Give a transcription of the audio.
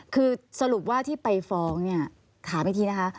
คือสรุปว่าที่ไปฟ้องเนี่ยถามอีกทีนะคะ